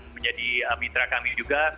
menjadi mitra kami juga